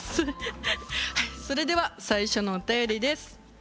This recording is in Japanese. はいそれでは最初のお便りです